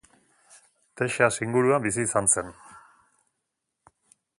Texas inguruan bizi izan zen.